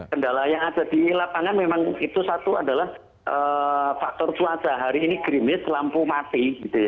kendala yang ada di lapangan memang itu satu adalah faktor cuaca hari ini grimis lampu mati